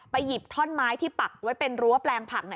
หยิบท่อนไม้ที่ปักไว้เป็นรั้วแปลงผัก